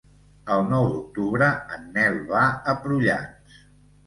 El nou d'octubre en Nel va a Prullans.